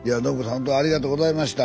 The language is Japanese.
ほんとありがとうございました。